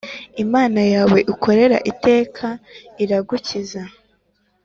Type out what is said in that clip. imana yawe ukorera iteka iragukiza